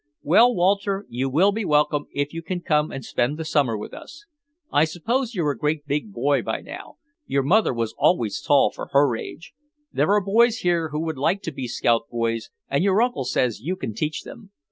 Well, Walter, you will be welcome if you can come and spend the summer with us. I suppose you're a great big boy by now; your mother was always tall for her age. There are boys here who would like to be scout boys and your uncle says you can teach them.